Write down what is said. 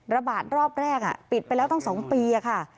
ระบาดรอบแรกปิดไปแล้วตั้ง๒ปีค่ะ